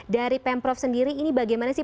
dari pm prof sendiri ini bagaimana sih